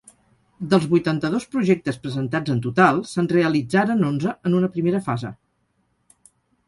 Dels vuitanta-dos projectes presentats en total, se'n realitzaren onze en una primera fase.